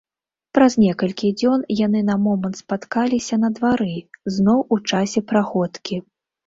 Праз некалькі дзён яны на момант спаткаліся на двары, зноў у часе праходкі.